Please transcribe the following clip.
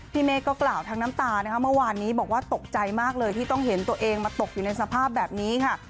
เมฆก็กล่าวทั้งน้ำตานะคะเมื่อวานนี้บอกว่าตกใจมากเลยที่ต้องเห็นตัวเองมาตกอยู่ในสภาพแบบนี้ค่ะ